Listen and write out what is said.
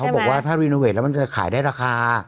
บอกว่าถ้ารีโนเวทแล้วมันจะขายได้ราคา